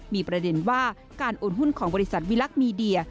มีประเด็นว่าการโอนหุ้นของบริษัทวิลักษณ์มีเดีย